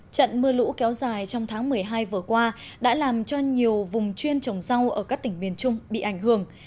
trận mưa lũ kéo dài trong tháng một mươi hai vừa qua đã làm cho nhiều vùng chuyên trồng rau ở các tỉnh miền trung bị ảnh hưởng